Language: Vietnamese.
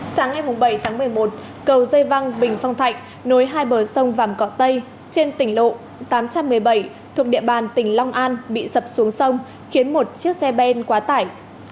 sáng ngày bảy tháng một mươi một cầu dây văng bình phong thạnh nối hai bờ sông vàm cỏ tây trên tỉnh lộ tám trăm một mươi bảy thuộc địa bàn tỉnh long an bị sập xuống sông khiến một chiếc xe ben quá tải